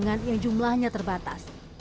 pangan yang jumlahnya terbatas